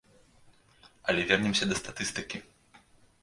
Але вернемся да статыстыкі.